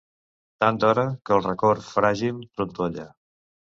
Tan d'hora, que el record, fràgil, trontolla.